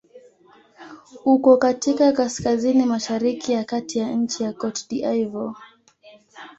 Uko katika kaskazini-mashariki ya kati ya nchi Cote d'Ivoire.